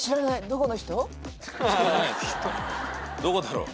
どこだろう？